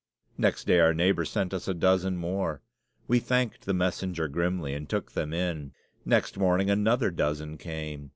Next day, our neighbor sent us a dozen more. We thanked the messenger grimly and took them in. Next morning another dozen came.